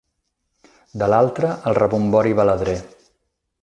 ...de l'altra, el rebombori baladrer.